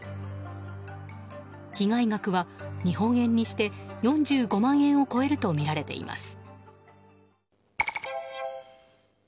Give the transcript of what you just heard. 被害額は日本円にして４５万円を超えるとみられています。